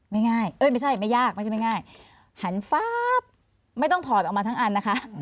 ง่ายเอ้ยไม่ใช่ไม่ยากไม่ใช่ไม่ง่ายหันฟ้าบไม่ต้องถอดออกมาทั้งอันนะคะ